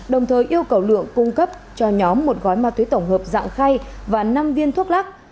đồng thời yêu cầu lượng cung cấp cho nhóm một gói ma túy tổng hợp dạng khay và năm viên thuốc lắc